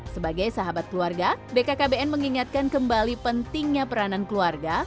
sebagai sahabat keluarga bkkbn mengingatkan kembali pentingnya peranan keluarga